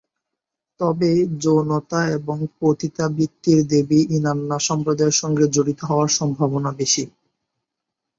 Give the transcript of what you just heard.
তবে যৌনতা এবং পতিতাবৃত্তির দেবী ইনান্না সম্প্রদায়ের সঙ্গে জড়িত হবার সম্ভবনা বেশি।